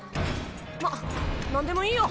まっなんでもいいよ。